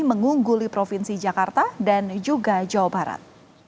mengungguli provinsi jakarta dan juga jawa barat